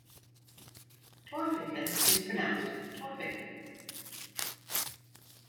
Torphichen, is pronounced 'Tor-fikken'.